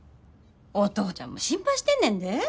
お父ちゃんも心配してんねんで。